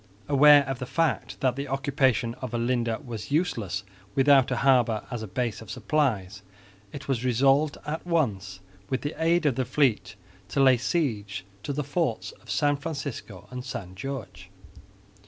Aware of the fact that the occupation of Olinda was useless without a harbour as a base of supplies, it was resolved at once with the aid of the fleet to lay siege to the forts of San Francisco and San Jorge.